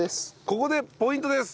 ここでポイントです。